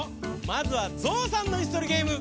まずはゾウさんのいすとりゲーム。